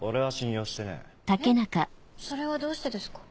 それはどうしてですか？